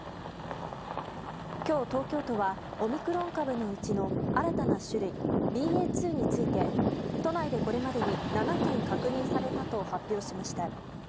今日東京都はオミクロン株のうちの新たな種類ＢＡ．２について都内でこれまでに７件確認されたと発表しました。